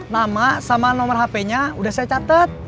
nama sama nomor hp nya udah saya catat